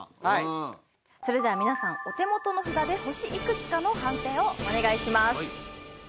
それでは皆さんお手元の札で星いくつかの判定をお願いします。